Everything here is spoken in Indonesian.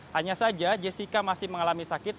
hanya saja jessica masih mengalami sakit